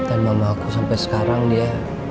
aku sampai sekarang dia